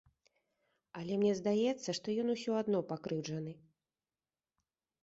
Але мне здаецца, што ён усё адно пакрыўджаны.